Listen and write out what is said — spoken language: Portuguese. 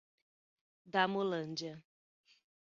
Damolândia